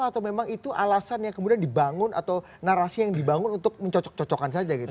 atau memang itu alasan yang kemudian dibangun atau narasi yang dibangun untuk mencocok cocokkan saja gitu